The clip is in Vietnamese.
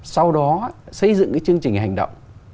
sau đó xây dựng cái chương trình hành động